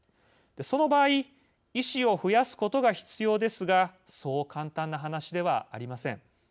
その場合医師を増やすことが必要ですがそう簡単な話ではありません。